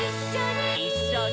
「いっしょに」